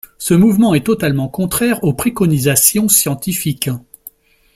Ce mouvement est totalement contraire aux préconisations scientifiques.